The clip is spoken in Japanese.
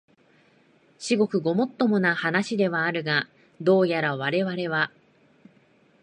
至極ごもっともな話ではあるが、どうやらわれわれは、